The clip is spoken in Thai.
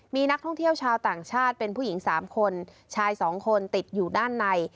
มีนักท่องเที่ยวชาวต่างชาติเป็นผู้หญิง๓คนชาย๒คนติดอยู่ด้านใน